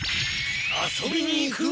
「遊びに行く」！？